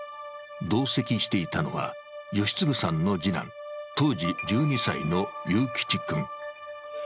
同席していたのは吉次さんの次男、当時１２歳の有吉君。